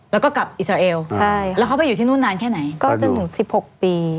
แล้วก็กลับอิสราเอลใช่แล้วเขาไปอยู่ที่นู่นนานแค่ไหนก็จนถึงสิบหกปี